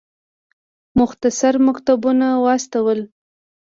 مختصر مکتوبونه واستول.